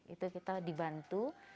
itu kita dibantu